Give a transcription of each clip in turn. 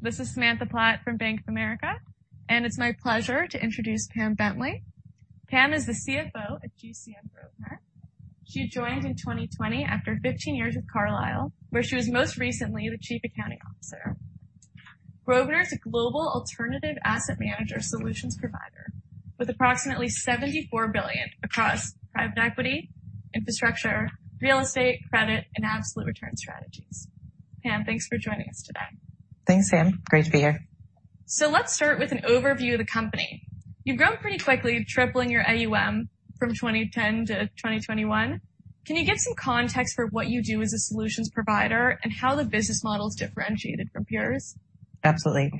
This is Samantha Platt from Bank of America. It's my pleasure to introduce Pam Bentley. Pam is the CFO at GCM Grosvenor. She joined in 2020 after 15 years with Carlyle, where she was most recently the Chief Accounting Officer. Grosvenor is a global alternative asset manager solutions provider with approximately $74 billion across private equity, infrastructure, real estate, credit, and absolute return strategies. Pam, thanks for joining us today. Thanks, Sam. Great to be here. Let's start with an overview of the company. You've grown pretty quickly, tripling your AUM from 2010 to 2021. Can you give some context for what you do as a solutions provider and how the business model is differentiated from peers? Absolutely.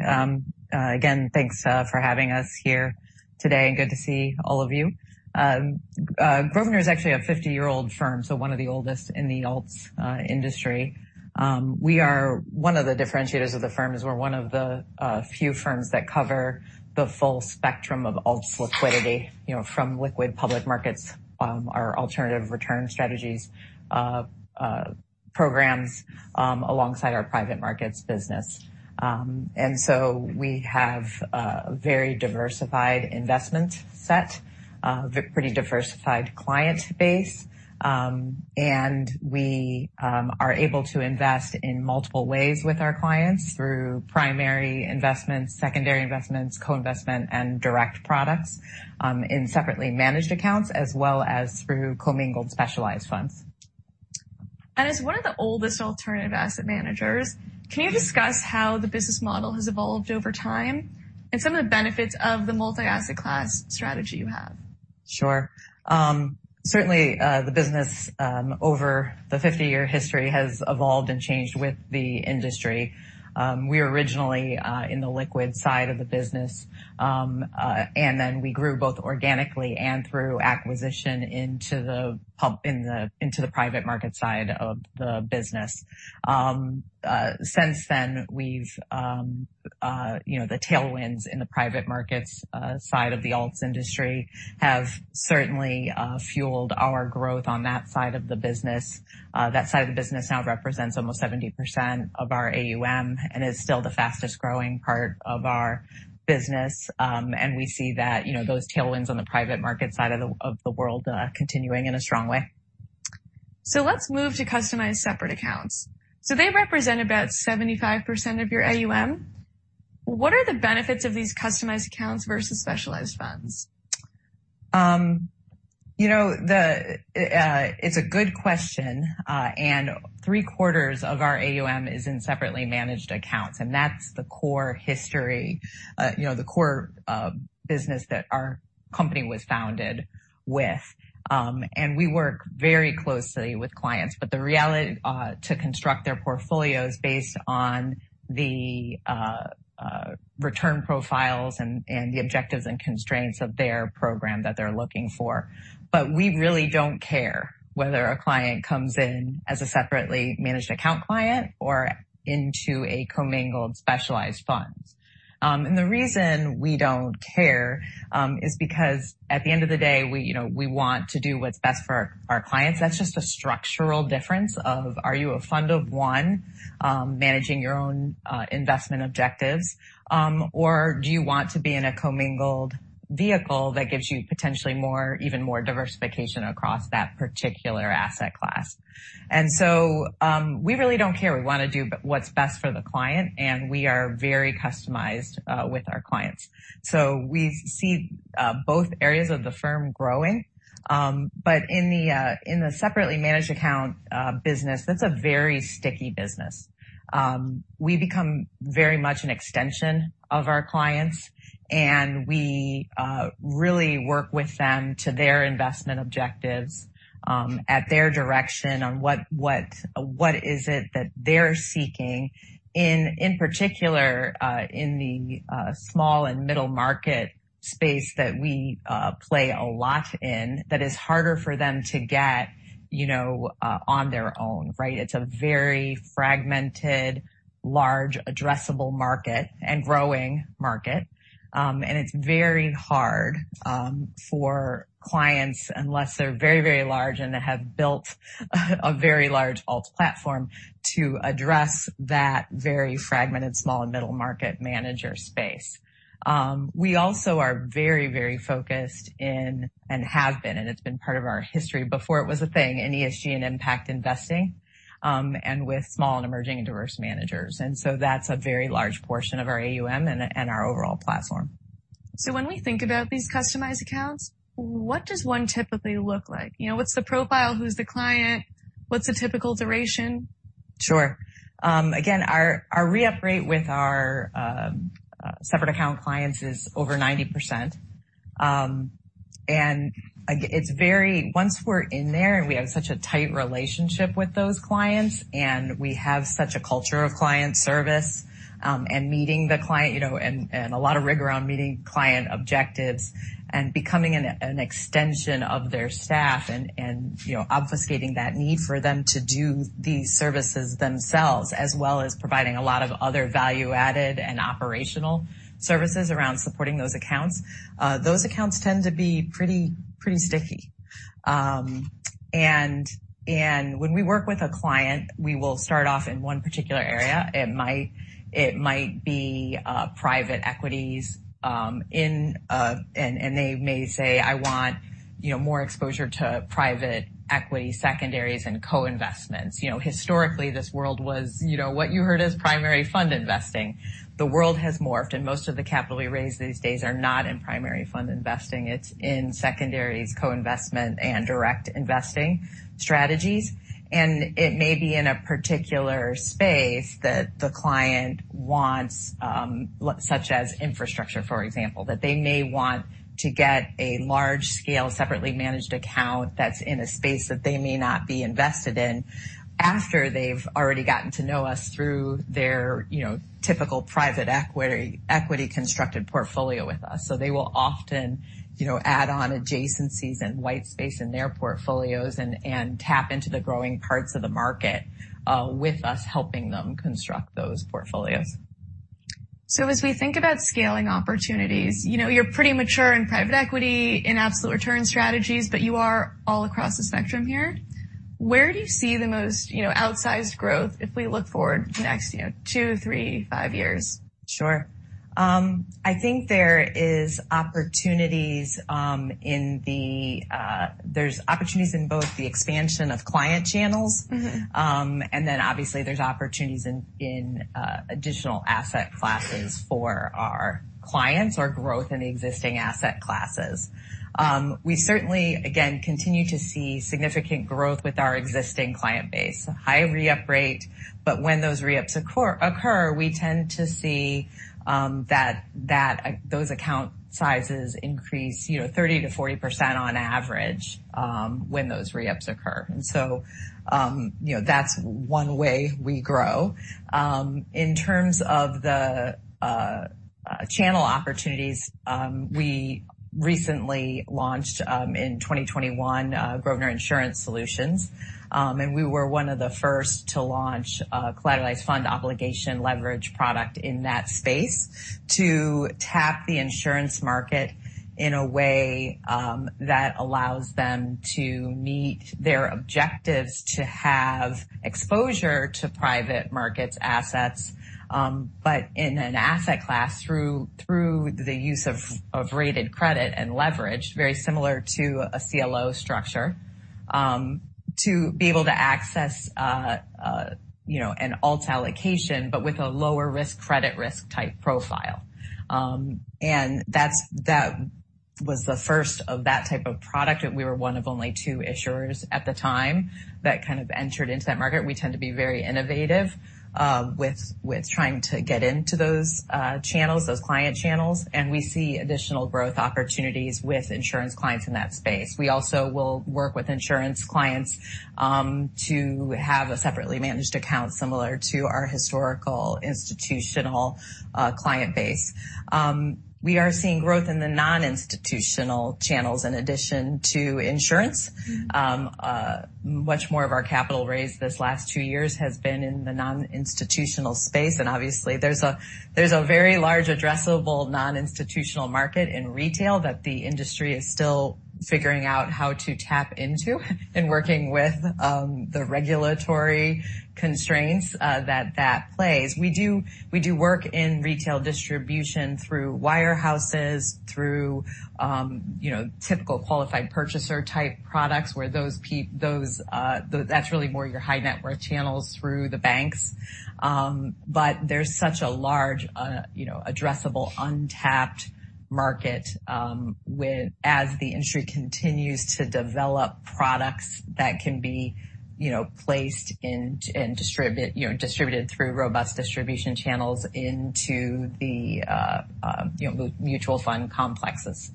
Again, thanks for having us here today, and good to see all of you. Grosvenor is actually a 50-year-old firm, so one of the oldest in the alts industry. One of the differentiators of the firm is we're one of the few firms that cover the full spectrum of alts liquidity, you know, from liquid public markets, our alternative return strategies programs, alongside our private markets business. We have a very diversified investment set, a pretty diversified client base. We are able to invest in multiple ways with our clients through primary investments, secondary investments, co-investment, and direct products, in separately managed accounts, as well as through commingled specialized funds. As one of the oldest alternative asset managers, can you discuss how the business model has evolved over time and some of the benefits of the multi-asset class strategy you have? Sure. Certainly, the business over the 50-year history has evolved and changed with the industry. We were originally in the liquid side of the business, and then we grew both organically and through acquisition into the private market side of the business. Since then, we've, you know, the tailwinds in the private markets side of the alts industry have certainly fueled our growth on that side of the business. That side of the business now represents almost 70% of our AUM and is still the fastest-growing part of our business. We see that, you know, those tailwinds on the private market side of the world continuing in a strong way. Let's move to customized separate accounts. They represent about 75% of your AUM. What are the benefits of these customized accounts versus specialized funds? You know, it's a good question. Three-quarters of our AUM is in separately managed accounts, and that's the core history, you know, the core business that our company was founded with. We work very closely with clients. The reality, to construct their portfolios based on the return profiles and the objectives and constraints of their program that they're looking for. We really don't care whether a client comes in as a separately managed account client or into a commingled specialized funds. The reason we don't care is because at the end of the day, we, you know, we want to do what's best for our clients. That's just a structural difference of, are you a fund of one, managing your own investment objectives, or do you want to be in a commingled vehicle that gives you potentially more, even more diversification across that particular asset class? We really don't care. We want to do what's best for the client, and we are very customized with our clients. We see both areas of the firm growing. In the separately managed account business, that's a very sticky business. We become very much an extension of our clients, and we really work with them to their investment objectives, at their direction on what is it that they're seeking in particular, in the small and middle market space that we play a lot in that is harder for them to get, you know, on their own, right? It's a very fragmented, large addressable market and growing market. It's very hard for clients unless they're very, very large and have built a very large alt platform to address that very fragmented small and middle market manager space. We also are very, very focused in and have been, and it's been part of our history before it was a thing in ESG and impact investing, and with small and emerging and diverse managers. That's a very large portion of our AUM and our overall platform. When we think about these customized accounts, what does one typically look like? You know, what's the profile? Who's the client? What's the typical duration? Sure. Again, our re-up rate with our separate account clients is over 90%. It's very Once we're in there, we have such a tight relationship with those clients, we have such a culture of client service, meeting the client, you know, a lot of rigor around meeting client objectives and becoming an extension of their staff and, you know, obfuscating that need for them to do these services themselves as well as providing a lot of other value-added and operational services around supporting those accounts. Those accounts tend to be pretty sticky. When we work with a client, we will start off in one particular area. It might be private equities in. They may say, "I want, you know, more exposure to private equity secondaries and co-investments." You know, historically, this world was, you know, what you heard as primary fund investing. The world has morphed, and most of the capital we raise these days are not in primary fund investing. It's in secondaries, co-investment, and direct investing strategies. It may be in a particular space that the client wants, such as infrastructure, for example, that they may want to get a large-scale separately managed account that's in a space that they may not be invested in after they've already gotten to know us through their, you know, typical private equity constructed portfolio with us. They will often, you know, add on adjacencies and white space in their portfolios and tap into the growing parts of the market, with us helping them construct those portfolios. As we think about scaling opportunities, you know, you're pretty mature in private equity, in absolute return strategies, but you are all across the spectrum here. Where do you see the most, you know, outsized growth if we look forward the next, you know, two, three, five years? Sure. I think there is opportunities. There's opportunities in both the expansion of client channels. Obviously there's opportunities in additional asset classes for our clients or growth in existing asset classes. We certainly, again, continue to see significant growth with our existing client base. High re-up rate, when those re-ups occur, we tend to see, you know, those account sizes increase 30%-40% on average, when those re-ups occur. You know, that's one way we grow. In terms of the channel opportunities, we recently launched in 2021, Grosvenor Insurance Solutions. We were one of the first to launch a collateralized fund obligation leverage product in that space to tap the insurance market in a way that allows them to meet their objectives to have exposure to private markets assets, but in an asset class through the use of rated credit and leverage, very similar to a CLO structure, to be able to access, you know, an alt allocation but with a lower risk credit risk type profile. That was the first of that type of product, and we were one of only two issuers at the time that kind of entered into that market. We tend to be very innovative with trying to get into those channels, those client channels, and we see additional growth opportunities with insurance clients in that space. We also will work with insurance clients, to have a separately managed account similar to our historical institutional client base. We are seeing growth in the non-institutional channels in addition to insurance. Much more of our capital raised this last two years has been in the non-institutional space, Obviously there's a very large addressable non-institutional market in retail that the industry is still figuring out how to tap into and working with the regulatory constraints that that plays. We do work in retail distribution through wirehouses, through, you know, typical qualified purchaser type products where those, that's really more your high net worth channels through the banks. There's such a large, you know, addressable untapped market as the industry continues to develop products that can be, you know, placed in and distributed through robust distribution channels into the, you know, mutual fund complexes.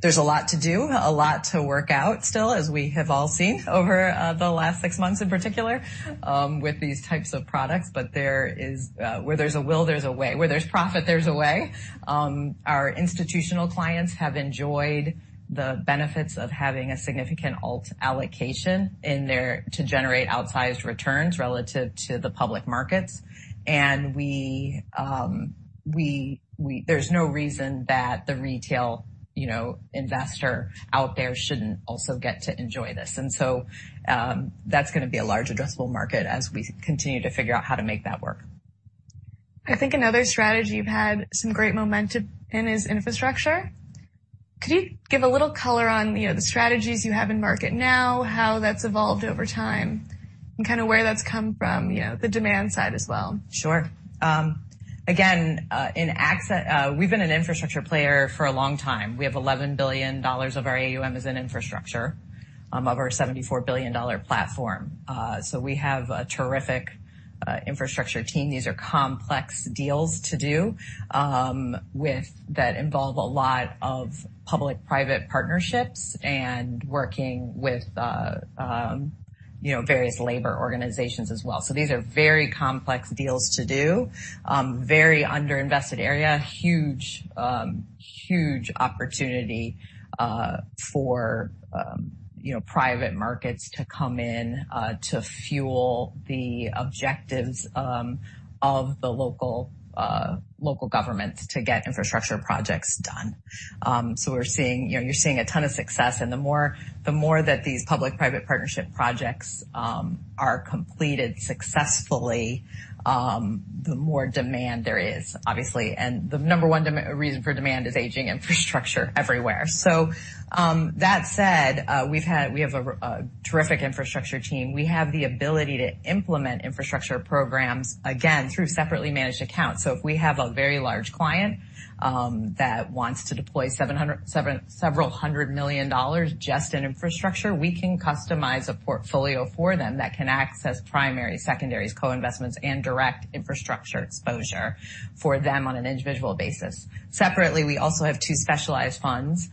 There's a lot to do, a lot to work out still, as we have all seen over the last 6 months in particular with these types of products. There is. Where there's a will, there's a way. Where there's profit, there's a way. Our institutional clients have enjoyed the benefits of having a significant alt allocation in their. To generate outsized returns relative to the public markets. There's no reason that the retail, you know, investor out there shouldn't also get to enjoy this. That's gonna be a large addressable market as we continue to figure out how to make that work. I think another strategy you've had some great momentum in is infrastructure. Could you give a little color on, you know, the strategies you have in market now, how that's evolved over time? Kind of where that's come from, you know, the demand side as well. Sure. Again, we've been an infrastructure player for a long time. We have $11 billion of our AUM is in infrastructure, of our $74 billion platform. We have a terrific infrastructure team. These are complex deals to do with that involve a lot of public/private partnerships and working with, you know, various labor organizations as well. These are very complex deals to do. Very under-invested area. Huge opportunity for, you know, private markets to come in to fuel the objectives of the local governments to get infrastructure projects done. We're seeing, you know, you're seeing a ton of success. The more that these public/private partnership projects are completed successfully, the more demand there is, obviously. The number one reason for demand is aging infrastructure everywhere. That said, we have a terrific infrastructure team. We have the ability to implement infrastructure programs, again, through separately managed accounts. If we have a very large client that wants to deploy several hundred million dollars just in infrastructure, we can customize a portfolio for them that can access primaries, secondaries, co-investments, and direct infrastructure exposure for them on an individual basis. Separately, we also have two specialized funds.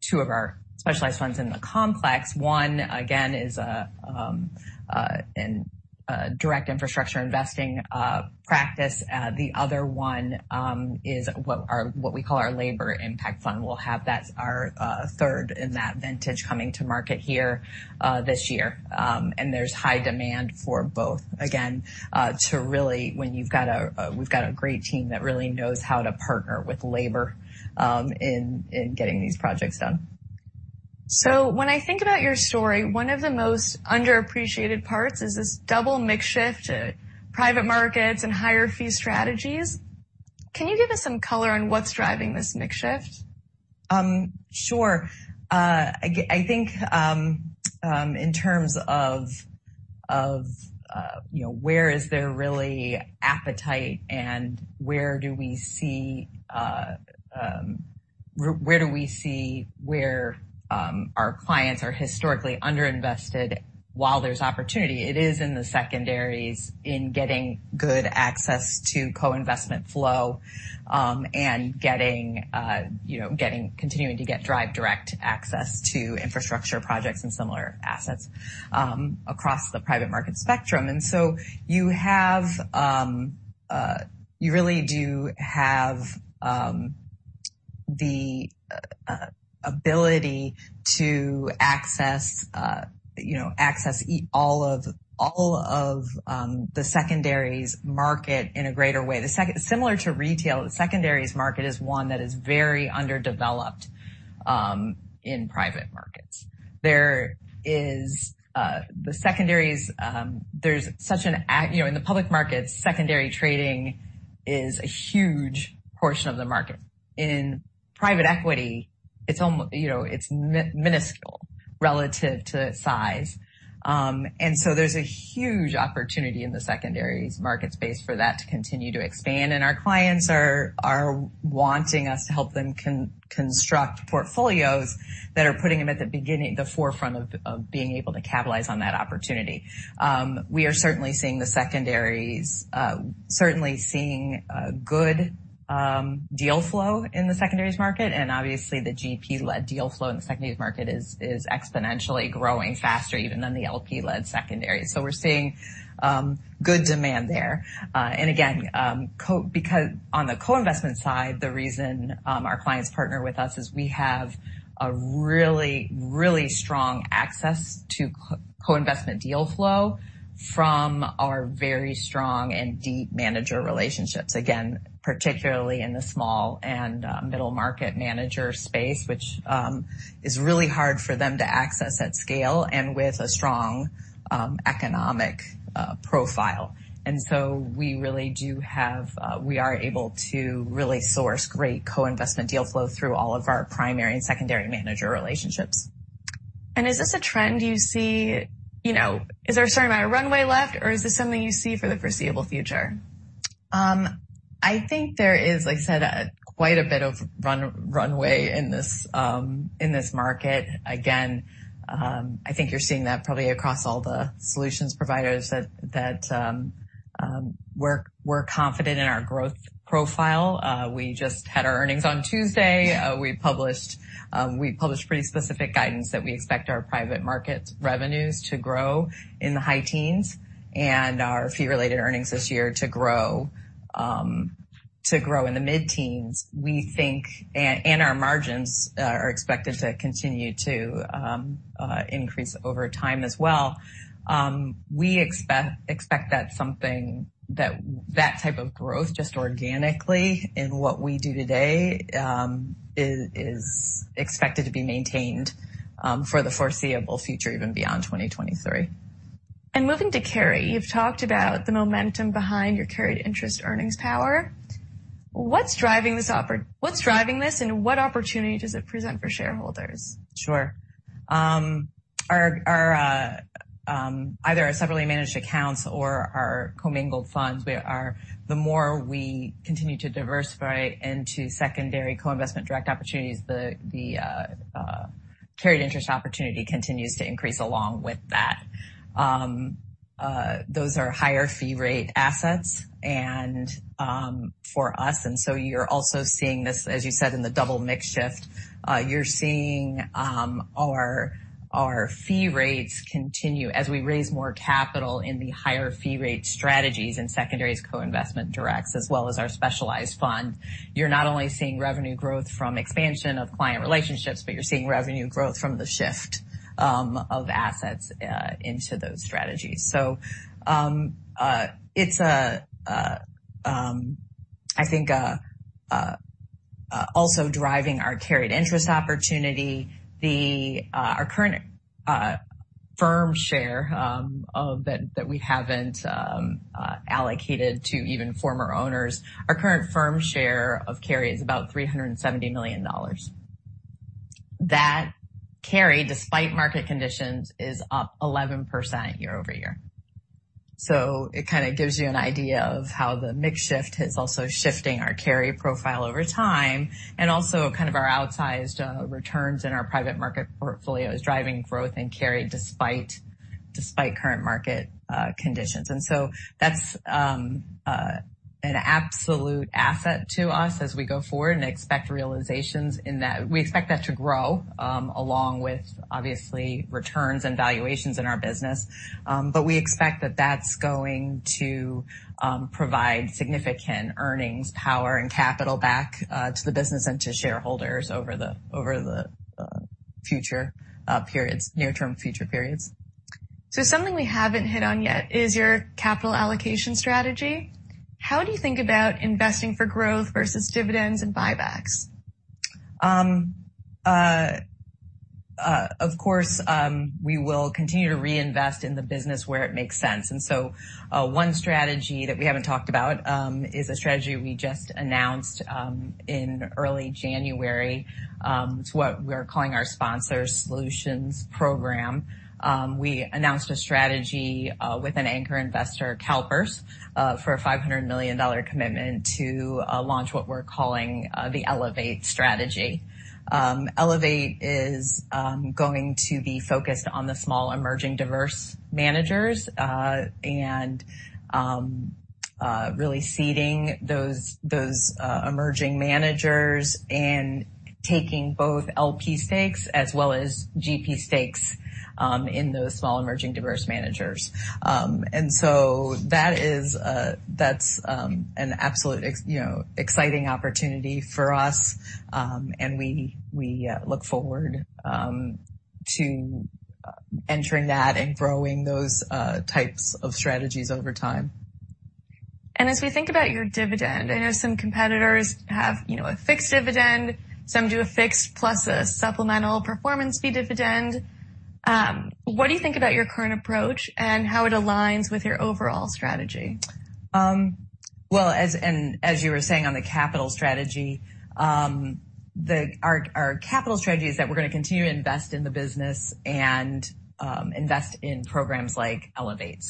Two of our specialized funds in the complex. One, again, is a direct infrastructure investing practice. The other one is what we call our Labor Impact Fund. We'll have that, our third in that vintage coming to market here this year. There's high demand for both. Again, to really when you've got a great team that really knows how to partner with labor, in getting these projects done. When I think about your story, one of the most underappreciated parts is this double mix-shift to private markets and higher fee strategies. Can you give us some color on what's driving this mix-shift? Sure. I think, you know, where is there really appetite and where do we see our clients are historically underinvested while there's opportunity, it is in the secondaries in getting good access to co-investment flow, and getting, you know, continuing to get direct access to infrastructure projects and similar assets across the private market spectrum. You have, you really do have the ability to access, you know, access all of the secondaries market in a greater way. Similar to retail, the secondaries market is one that is very underdeveloped in private markets. There is the secondaries. there's such a You know, in the public markets, secondary trading is a huge portion of the market. In private equity, it's you know, it's minuscule relative to its size. There's a huge opportunity in the secondaries market space for that to continue to expand, and our clients are wanting us to help them construct portfolios that are putting them at the beginning, the forefront of being able to capitalize on that opportunity. We are certainly seeing the secondaries, certainly seeing good deal flow in the secondaries market, and obviously the GP-led deal flow in the secondaries market is exponentially growing faster even than the LP-led secondary. We're seeing good demand there. Again, because on the co-investment side, the reason our clients partner with us is we have a really strong access to co-investment deal flow from our very strong and deep manager relationships, again, particularly in the small and middle market manager space, which is really hard for them to access at scale and with a strong economic profile. We really do have, we are able to really source great co-investment deal flow through all of our primary and secondary manager relationships. Is this a trend You know, is there a certain amount of runway left, or is this something you see for the foreseeable future? I think there is, like I said, quite a bit of runway in this market. Again, I think you're seeing that probably across all the solutions providers that we're confident in our growth profile. We just had our earnings on Tuesday. We published pretty specific guidance that we expect our private markets revenues to grow in the high teens and our Fee-Related Earnings this year to grow in the mid-teens. Our margins are expected to continue to increase over time as well. We expect that type of growth, just organically in what we do today, is expected to be maintained for the foreseeable future, even beyond 2023. Moving to carry, you've talked about the momentum behind your carried interest earnings power. What's driving this and what opportunity does it present for shareholders? Sure. Either our separately managed accounts or our commingled funds, the more we continue to diversify into secondary co-investment direct opportunities, the carried interest opportunity continues to increase along with that. Those are higher fee rate assets and for us, you're also seeing this, as you said, in the double mix shift. You're seeing our fee rates continue as we raise more capital in the higher fee rate strategies and secondaries co-investment directs, as well as our specialized fund. You're not only seeing revenue growth from expansion of client relationships, but you're seeing revenue growth from the shift of assets into those strategies. It's I think also driving our carried interest opportunity, our current firm share of that we haven't allocated to even former owners. Our current firm share of carry is about $370 million. That carry, despite market conditions, is up 11% year-over-year. It kinda gives you an idea of how the mix shift is also shifting our carry profile over time, and also kind of our outsized returns in our private market portfolio is driving growth and carry despite current market conditions. That's an absolute asset to us as we go forward and expect realizations in that. We expect that to grow along with obviously returns and valuations in our business. We expect that that's going to provide significant earnings, power and capital back to the business and to shareholders over the future periods, near-term future periods. Something we haven't hit on yet is your capital allocation strategy. How do you think about investing for growth versus dividends and buybacks? Of course, we will continue to reinvest in the business where it makes sense. One strategy that we haven't talked about, is a strategy we just announced in early January. It's what we're calling our Sponsor Solutions program. We announced a strategy with an anchor investor, CalPERS, for a $500 million commitment to launch what we're calling the Elevate strategy. Elevate is going to be focused on the small emerging diverse managers, and really seeding those emerging managers and taking both LP stakes as well as GP stakes in those small emerging diverse managers. That is, that's an absolute, you know, exciting opportunity for us. We look forward to entering that and growing those types of strategies over time. As we think about your dividend, I know some competitors have, you know, a fixed dividend, some do a fixed plus a supplemental performance fee dividend. What do you think about your current approach and how it aligns with your overall strategy? As you were saying on the capital strategy, our capital strategy is that we're going to continue to invest in the business and invest in programs like Elevate.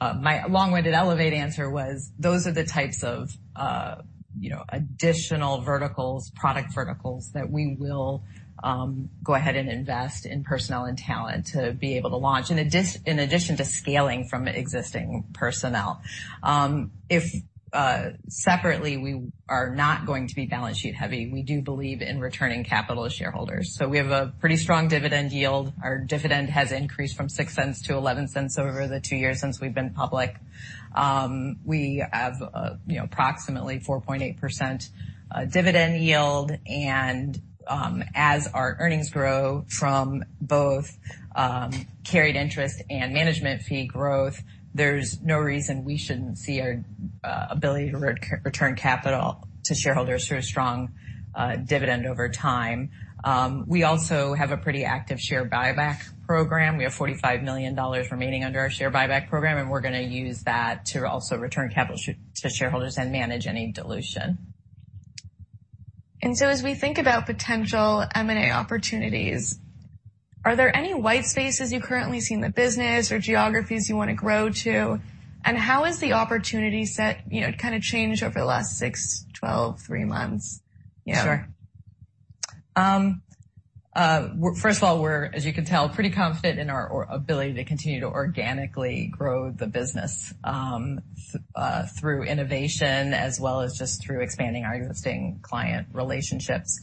My long-winded Elevate answer was those are the types of, you know, additional verticals, product verticals that we will go ahead and invest in personnel and talent to be able to launch. In addition to scaling from existing personnel. Separately, we are not going to be balance sheet heavy, we do believe in returning capital to shareholders. We have a pretty strong dividend yield. Our dividend has increased from $0.06-$0.11 over the two years since we've been public. We have, you know, approximately 4.8% dividend yield. As our earnings grow from both carried interest and management fee growth, there's no reason we shouldn't see our ability to re-return capital to shareholders through a strong dividend over time. We also have a pretty active share buyback program. We have $45 million remaining under our share buyback program, and we're gonna use that to also return capital to shareholders and manage any dilution. As we think about potential M&A opportunities, are there any white spaces you currently see in the business or geographies you wanna grow to? How has the opportunity set, you know, kind of changed over the last six, 12, three months? Yeah. Sure. First of all, we're, as you can tell, pretty confident in our ability to continue to organically grow the business, through innovation as well as just through expanding our existing client relationships.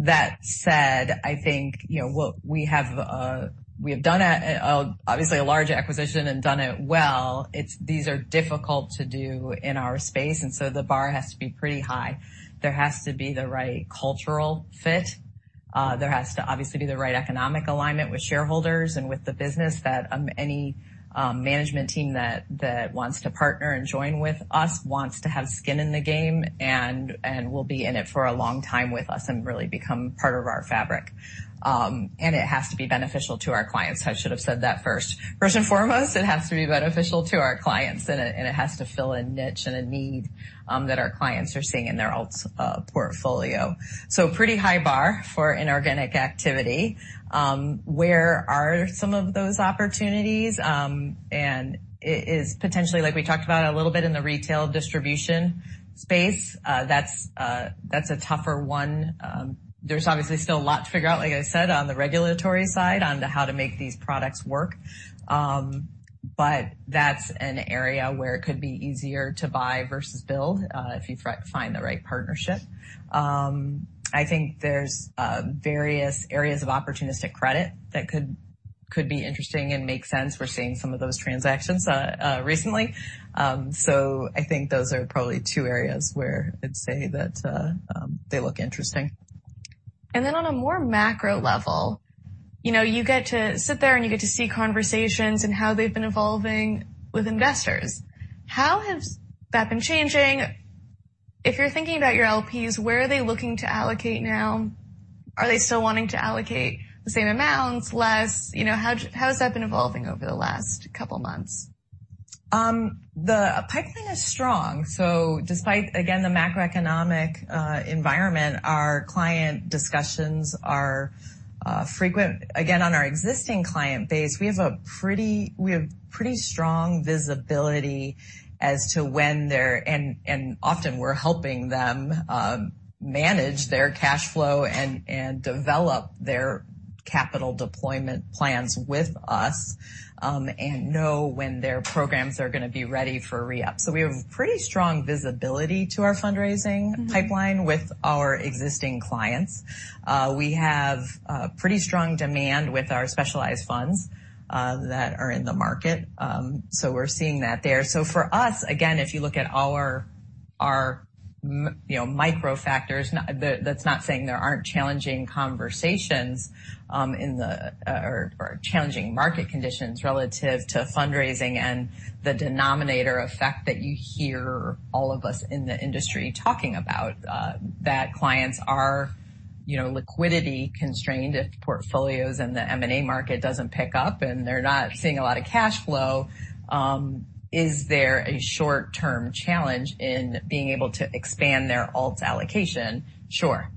That said, I think, you know, what we have, we have done a, obviously a large acquisition and done it well. It's these are difficult to do in our space, and so the bar has to be pretty high. There has to be the right cultural fit. There has to obviously be the right economic alignment with shareholders and with the business that, any, management team that wants to partner and join with us wants to have skin in the game. And will be in it for a long time with us and really become part of our fabric. It has to be beneficial to our clients. I should have said that first. First and foremost, it has to be beneficial to our clients, and it has to fill a niche and a need that our clients are seeing in their alts portfolio. Pretty high bar for inorganic activity. Where are some of those opportunities? It is potentially like we talked about a little bit in the retail distribution space. That's a tougher one. There's obviously still a lot to figure out, like I said, on the regulatory side, on the how to make these products work. That's an area where it could be easier to buy versus build, if you find the right partnership. I think there's various areas of opportunistic credit that could be interesting and make sense. We're seeing some of those transactions recently. I think those are probably two areas where I'd say that they look interesting. On a more macro level, you know, you get to sit there, and you get to see conversations and how they've been evolving with investors. How has that been changing? If you're thinking about your LPs, where are they looking to allocate now? Are they still wanting to allocate the same amounts, less? You know, how has that been evolving over the last couple of months? The pipeline is strong. Despite, again, the macroeconomic environment, our client discussions are frequent. Again, on our existing client base, we have pretty strong visibility as to when they're and often we're helping them manage their cash flow and develop their capital deployment plans with us and know when their programs are gonna be ready for re-up. We have pretty strong visibility to our fundraising. Pipeline with our existing clients. We have pretty strong demand with our specialized funds that are in the market. We're seeing that there. For us, again, if you look at our you know, micro factors, that's not saying there aren't challenging conversations in the or challenging market conditions relative to fundraising and the denominator effect that you hear all of us in the industry talking about, that clients are, you know, liquidity constrained if portfolios and the M&A market doesn't pick up, and they're not seeing a lot of cash flow, is there a short-term challenge in being able to expand their alts allocation? Sure.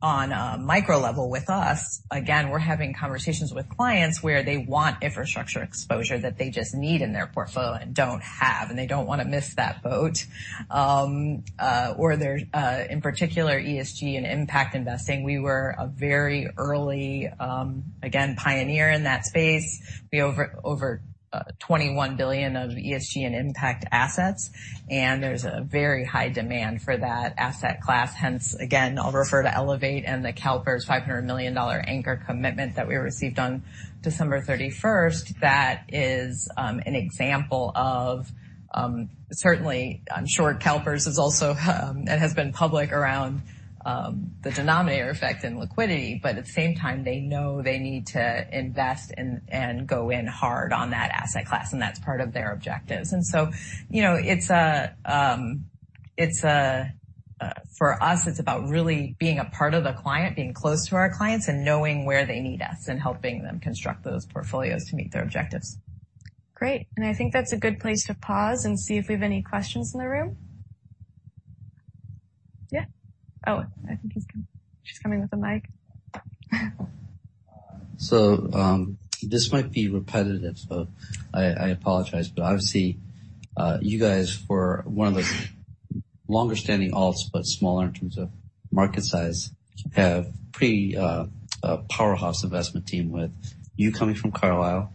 On a micro level with us, again, we're having conversations with clients where they want infrastructure exposure that they just need in their portfolio and don't have, and they don't wanna miss that boat. They're in particular, ESG and impact investing. We were a very early, again, pioneer in that space. We have over $21 billion of ESG and impact assets, and there's a very high demand for that asset class. Hence, again, I'll refer to Elevate and the CalPERS $500 million anchor commitment that we received on December 31st. That is an example of, certainly, I'm sure CalPERS is also and has been public around the denominator effect and liquidity. At the same time, they know they need to invest and go in hard on that asset class. That's part of their objectives. you know, it's a for us, it's about really being a part of the client, being close to our clients, and knowing where they need us and helping them construct those portfolios to meet their objectives. Great. I think that's a good place to pause and see if we have any questions in the room. Yeah. Oh, I think he's coming. She's coming with a mic. This might be repetitive, I apologize. Obviously, you guys were one of the longer-standing alts, but smaller in terms of market size, have pretty a powerhouse investment team with you coming from Carlyle,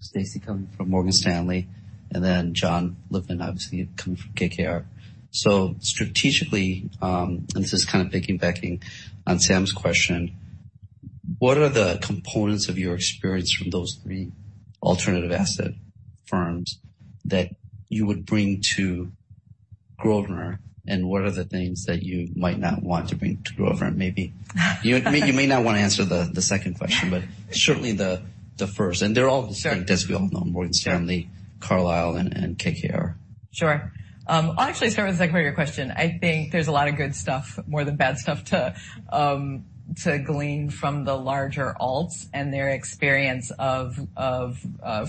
Stacy coming from Morgan Stanley, and then Jon Lippman, obviously coming from KKR. Strategically, and this is kind of piggybacking on Sam's question, what are the components of your experience from those three alternative asset firms that you would bring to Grosvenor, and what are the things that you might not want to bring to Grosvenor? You may not want to answer the second question, but certainly the first. They're all distinct, as we all know, Morgan Stanley. Sure. Carlyle and KKR. Sure. I'll actually start with the second part of your question. I think there's a lot of good stuff, more than bad stuff to glean from the larger alts and their experience of,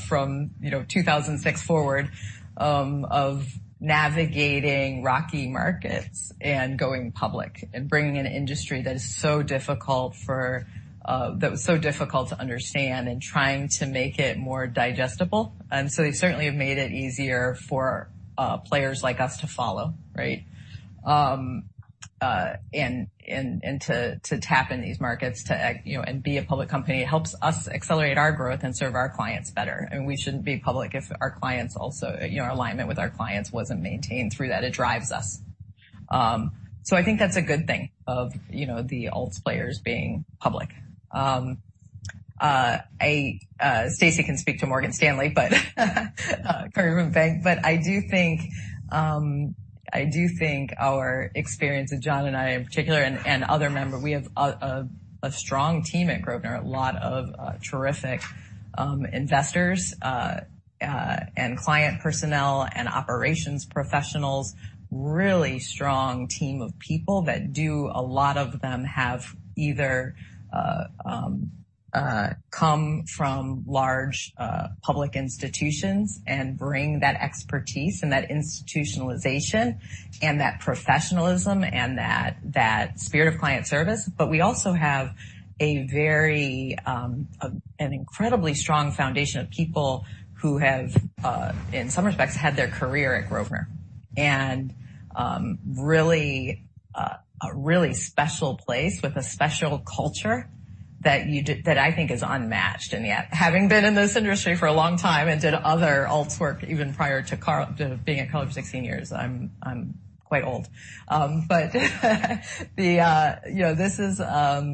from, you know, 2006 forward, of navigating rocky markets and going public and bringing an industry that is so difficult for that was so difficult to understand and trying to make it more digestible. They certainly have made it easier for players like us to follow, right? To tap in these markets to, you know, and be a public company. It helps us accelerate our growth and serve our clients better. We shouldn't be public if our clients also, you know, our alignment with our clients wasn't maintained through that. It drives us. I think that's a good thing of, you know, the alts players being public. Stacy can speak to Morgan Stanley, but Morgan Bank. I do think, you know, I do think our experience with John and I in particular and other member, we have a strong team at Grosvenor, a lot of terrific investors, and client personnel and operations professionals. Really strong team of people that do a lot of them have either come from large public institutions and bring that expertise and that institutionalization and that professionalism and that spirit of client service. We also have a very, an incredibly strong foundation of people who have, in some respects, had their career at Grosvenor. Really, a really special place with a special culture that I think is unmatched. Yet, having been in this industry for a long time and did other alts work even prior to being at Carlyle 16 years, I'm quite old. You know, this is, I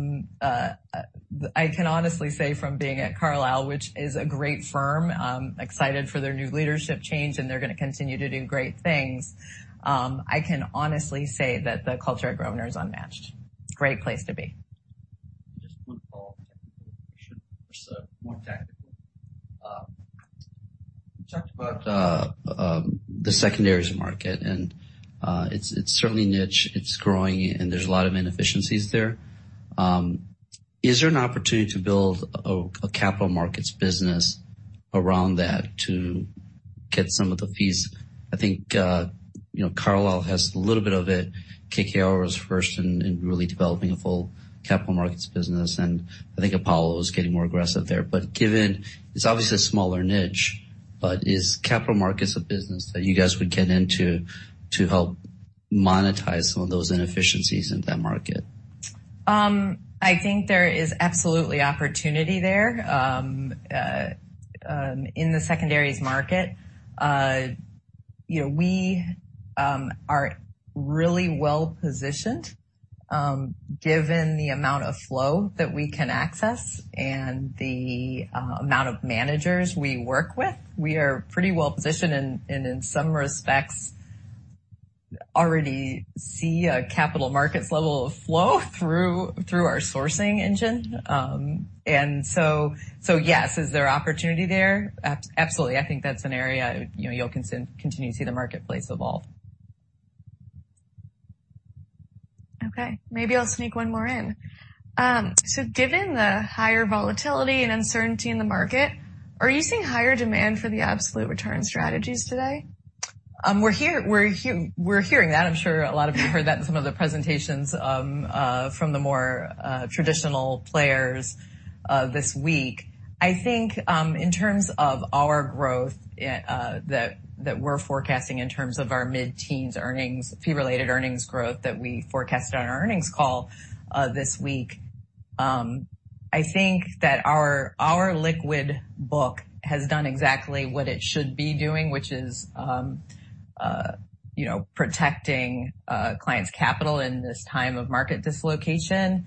can honestly say from being at Carlyle, which is a great firm, excited for their new leadership change, and they're gonna continue to do great things. I can honestly say that the culture at Grosvenor is unmatched. Great place to be. Just one follow-up technical question. More tactical. You talked about the secondaries market, and it's certainly niche, it's growing, and there's a lot of inefficiencies there. Is there an opportunity to build a capital markets business around that to get some of the fees? I think, you know, Carlyle has a little bit of it. KKR was first in really developing a full capital markets business, and I think Apollo is getting more aggressive there. Given it's obviously a smaller niche, is capital markets a business that you guys would get into to help monetize some of those inefficiencies in that market? I think there is absolutely opportunity there in the secondaries market. You know, we are really well positioned given the amount of flow that we can access and the amount of managers we work with. We are pretty well positioned and, in some respects, already see a capital markets level of flow through our sourcing engine. Yes. Is there opportunity there? Absolutely. I think that's an area, you know, you'll continue to see the marketplace evolve. Okay, maybe I'll sneak one more in. Given the higher volatility and uncertainty in the market, are you seeing higher demand for the absolute return strategies today? We're hearing that. I'm sure a lot of you heard that in some of the presentations from the more traditional players this week. I think, in terms of our growth, that we're forecasting in terms of our mid-teens earnings, Fee-Related Earnings growth that we forecasted on our earnings call this week, I think that our liquid book has done exactly what it should be doing, which is, you know, protecting clients' capital in this time of market dislocation.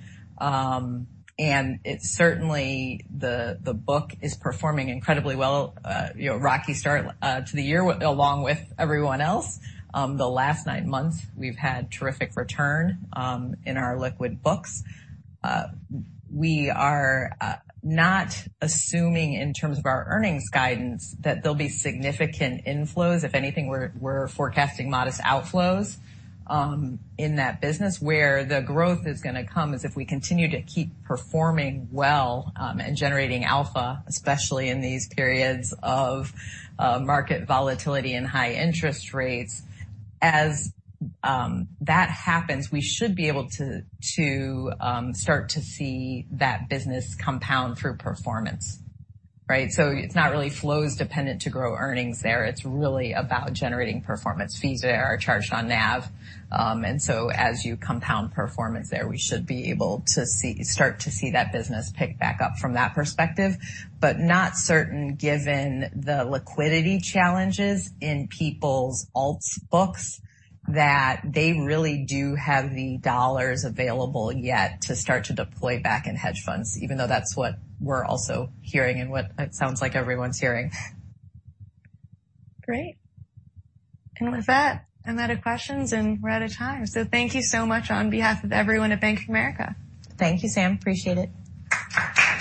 It's certainly the book is performing incredibly well. You know, rocky start to the year along with everyone else. The last nine months we've had terrific return in our liquid books. We are not assuming in terms of our earnings guidance, that there'll be significant inflows. If anything, we're forecasting modest outflows in that business. Where the growth is gonna come is if we continue to keep performing well, and generating alpha, especially in these periods of market volatility and high interest rates. As that happens, we should be able to start to see that business compound through performance, right? It's not really flows dependent to grow earnings there. It's really about generating performance fees there are charged on NAV. As you compound performance there, we should be able to start to see that business pick back up from that perspective, but not certain given the liquidity challenges in people's alts books, that they really do have the dollars available yet to start to deploy back in hedge funds, even though that's what we're also hearing and what it sounds like everyone's hearing. Great. With that, I'm out of questions, and we're out of time. Thank you so much on behalf of everyone at Bank of America. Thank you, Sam. Appreciate it.